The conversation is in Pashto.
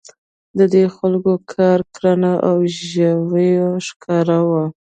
د دې خلکو کار کرنه او ژویو ښکار وو.